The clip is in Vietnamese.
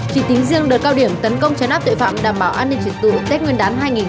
khi tính riêng đợt cao điểm tấn công trái nắp tội phạm đảm bảo an ninh trật tự tết nguyên đán hai nghìn hai mươi hai